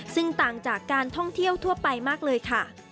ซึ่งต่างจากการท่องเที่ยวทั่วไปมากเลยค่ะ